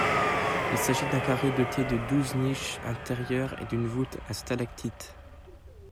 Il s'agit d'un carré doté de douze niches intérieures et d'une voûte à stalactites.